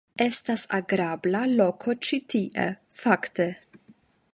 - Estas agrabla loko ĉi tie, fakte.